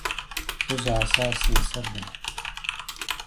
پزه حساس سینسر دی.